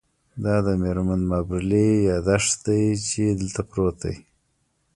دا د میرمن مابرلي یادښت دی چې دلته پروت دی